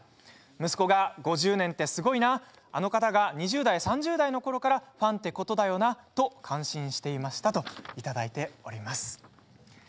息子は５０年ってすごいなあの方が２０代３０代のころからファンということだよなと感心していましたといただいています。